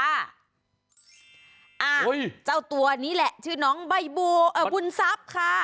อ้าวเจ้าตัวนี้แหละชื่อน้องบายบูเอ่อบุญซับค่ะ